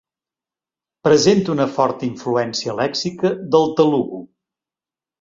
Presenta una forta influència lèxica del telugu.